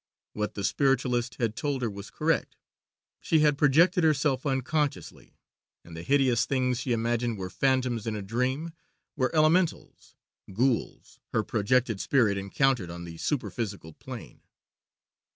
What the spiritualist had told her was correct she had projected herself unconsciously, and the hideous things she imagined were phantoms in a dream were Elementals ghouls her projected spirit encountered on the superphysical plane.